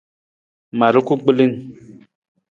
Ma ruku gbilung.